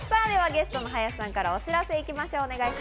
ゲストの林さんからお知らせ行きましょう。